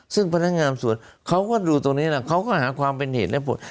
ซึ่งพนักงานสวนเขาก็ดูตรงนี้แหละเขาก็หาความเป็นเหตุและผล